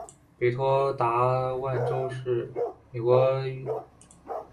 北托纳万达是美国纽约州尼亚加拉县的一座城市。